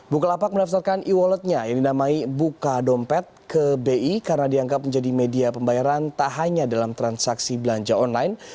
bukalapak mendaftarkan e walletnya yang dinamai buka dompet ke bi karena dianggap menjadi media pembayaran tak hanya dalam transaksi belanja online